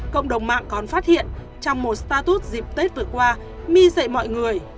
cộng đồng mạng còn phát hiện trong một startus dịp tết vừa qua my dạy mọi người